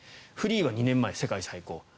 フリーは２年前世界最高。